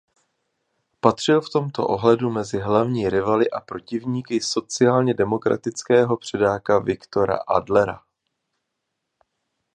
Patřil v tomto ohledu mezi hlavní rivaly a protivníky sociálně demokratického předáka Viktora Adlera.